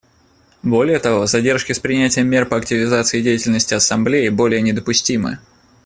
Более того, задержки с принятием мер по активизации деятельности Ассамблеи более недопустимы.